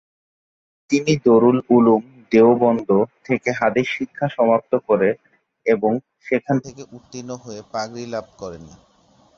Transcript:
তিনি দারুল উলুম দেওবন্দ থেকে হাদিস শিক্ষা সমাপ্ত করে এবং সেখান থেকে উত্তীর্ণ হয়ে পাগড়ি লাভ করেন।